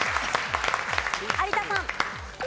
有田さん。